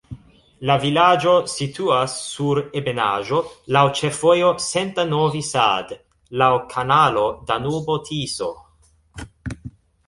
La vilaĝo situas sur ebenaĵo, laŭ ĉefvojo Senta-Novi Sad, laŭ kanalo Danubo-Tiso.